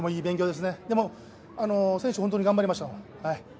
でも、選手、本当に頑張りました。